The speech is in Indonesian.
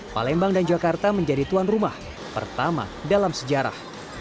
palembang dan jakarta menjadi tuan rumah pertama dalam sejarah